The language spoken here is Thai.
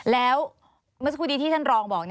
แล้วเมื่อสักครู่นี้ที่ท่านรองบอก